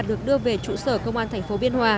được đưa về trụ sở công an tp biên hòa